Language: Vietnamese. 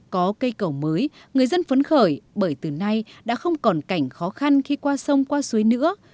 có cây cầu mới người dân phấn khởi bởi từ nay đã không còn cảnh khó khăn khi qua sông qua suối nữa